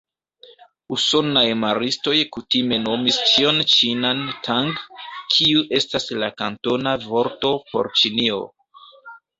Usonaj maristoj kutime nomis ĉion ĉinan "Tang", kiu estas la kantona vorto por Ĉinio.